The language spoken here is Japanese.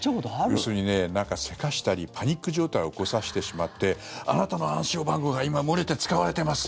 要するになんか、せかしたりパニック状態を起こさせてしまってあなたの暗証番号が今、漏れて使われています！